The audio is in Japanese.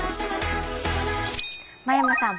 真山さん